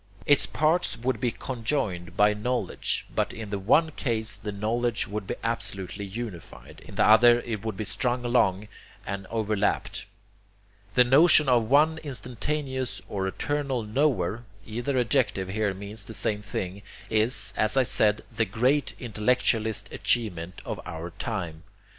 Its parts would be conjoined by knowledge, but in the one case the knowledge would be absolutely unified, in the other it would be strung along and overlapped. The notion of one instantaneous or eternal Knower either adjective here means the same thing is, as I said, the great intellectualist achievement of our time.